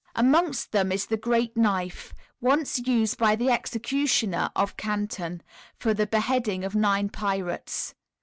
Amongst them is the great knife, once used by the executioner of Canton for the beheading of nine pirates.